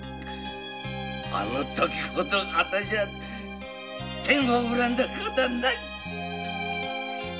あの時ほど私ゃ天を恨んだ事はない！